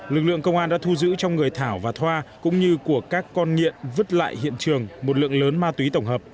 lực lượng công an đã thu giữ trong người thảo và thoa cũng như của các con nghiện vứt lại hiện trường một lượng lớn ma túy tổng hợp